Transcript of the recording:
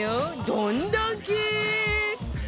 どんだけ！